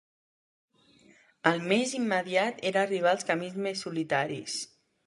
El més immediat era arribar als camins més solitaris.